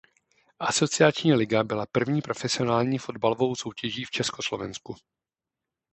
Asociační liga byla první profesionální fotbalovou soutěží v Československu.